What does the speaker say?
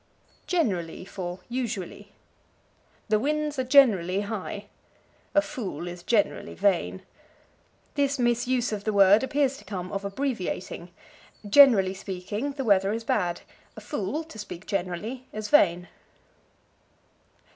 Generally for Usually. "The winds are generally high." "A fool is generally vain." This misuse of the word appears to come of abbreviating: Generally speaking, the weather is bad. A fool, to speak generally, is vain.